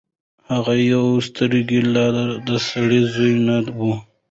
هغه يو سترګې لا د سړي زوی نه وو.